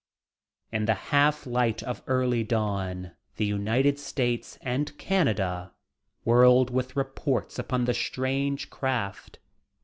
In the half light of early dawn, the United States and Canada whirled with reports upon the strange craft.